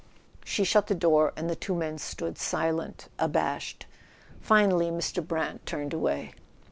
She shut the door, and the two men stood silent, abashed; finally Mr. Brant turned away.